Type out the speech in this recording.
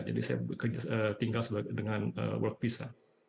jadi saya tinggal dengan work visa